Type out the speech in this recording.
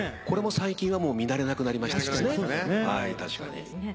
これも最近は見慣れなくなりましたね。